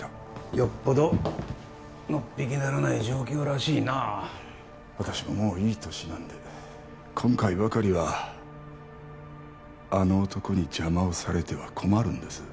よっぽどのっぴきならない状況らしいな私ももういい年なんで今回ばかりはあの男に邪魔をされては困るんです